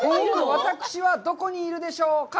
私はどこにいるでしょうか？